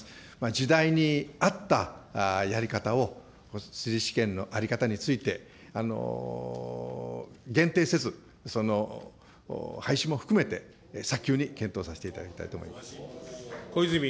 時代に合ったやり方を、地理試験の在り方について、限定せず、廃止も含めて早急に検討させていただきたいと思います。